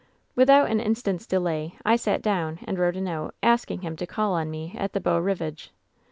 "Without an instant's delay I sat down and wrote a note, asking him to call on ine at the Beau Rivage.